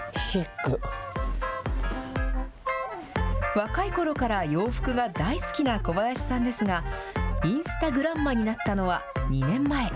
若いころから洋服が大好きな小林さんですがインスタグランマになったのは２年前。